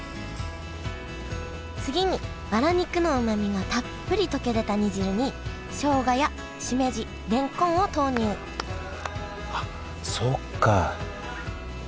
次にバラ肉のうまみがたっぷり溶け出た煮汁にしょうがやしめじれんこんを投入あっそっか。